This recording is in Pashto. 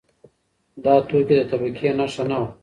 دا توکی د طبقې نښه نه وه.